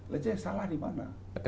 lajanya salah di mana